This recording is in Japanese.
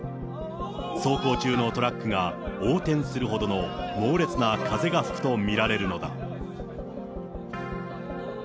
走行中のトラックが横転するほどの猛烈な風が吹くと見られるのだ。